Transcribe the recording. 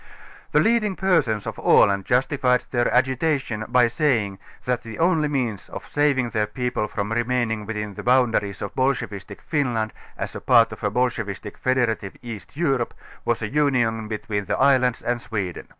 The leading persons of Aland justified their agitation by sajdng, that the only means of saving their people from remaining within the boundaries of a bolsohevistic Finland as a part of a bolschevistic fede rative East Europe, was a union between the islands and Sweden.